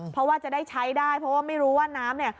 เพราะว่าจะได้ใช้ได้เพราะว่าไม่รู้ว่าน้ำเนี่ย